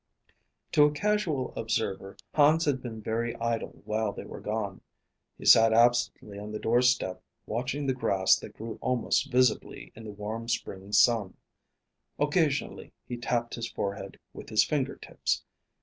To a casual observer, Hans had been very idle while they were gone. He sat absently on the doorstep, watching the grass that grew almost visibly in the warm spring sun. Occasionally he tapped his forehead with his finger tips.